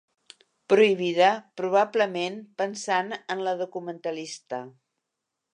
Prohibida, probablement pensant en la documentalista.